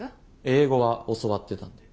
英語は教わってたんで。